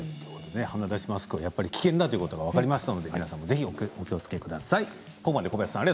鼻だしマスクは危険だということが分かりましたお気をつけください。